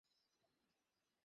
আশা করি ঠিক বলেছি?